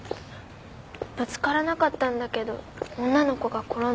ぶつからなかったんだけど女の子が転んで。